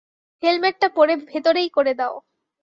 হেলমেটটা পরে ভেতরেই করে দাও।